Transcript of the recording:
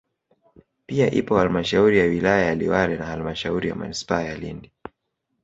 Pia ipo halmashauri ya wilaya ya Liwale na halmashauri ya manispaa ya Lindi